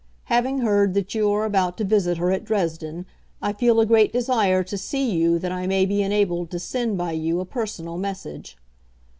Having heard that you are about to visit her at Dresden I feel a great desire to see you that I may be enabled to send by you a personal message.